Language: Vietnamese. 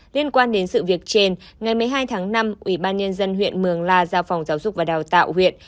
liên quan đến sự việc trên ngày một mươi hai tháng năm ủy ban nhân dân huyện mường la giao phòng giáo dục và đào tạo huyện